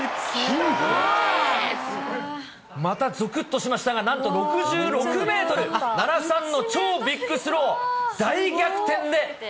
またぞくっとしましたが、なんと６６メートルの超ビッグスロー。